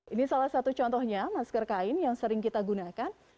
ini salah satu contohnya masker kain yang sering kita gunakan